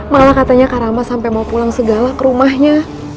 malah katanya karama sampai mau pulang segala ke rumahnya